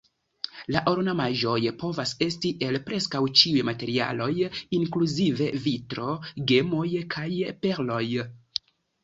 La ornamaĵoj povas esti el preskaŭ ĉiuj materialoj inkluzive vitro, gemoj kaj perloj.